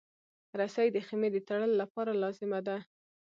رسۍ د خېمې د تړلو لپاره لازمه ده.